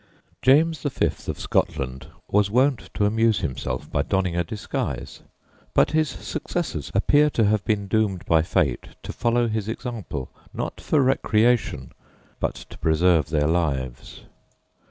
James V. of Scotland was wont to amuse himself by donning a disguise, but his successors appear to have been doomed by fate to follow his example, not for recreation, but to preserve their lives.